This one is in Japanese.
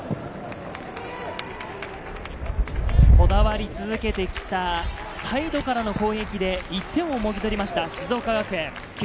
こだわり続けてきたサイドからの攻撃で１点をもぎとりました、静岡学園。